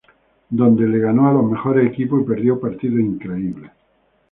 Donde le ganó a los mejores equipos y perdió partidos increíbles.